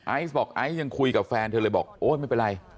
ไอซ์บอกไอซ์ยังคุยกับแฟนเธอเลยบอกโอ๊ยไม่เป็นไร